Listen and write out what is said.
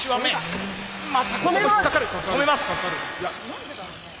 何でだろうね。